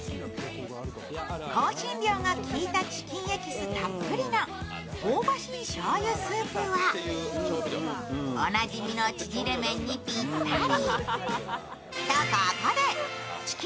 香辛料が効いたチキンエキスたっぷりの香ばしいしょうゆスープは、おなじみの縮れ麺にぴったり。